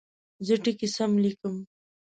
زه ټکي سم لیکم.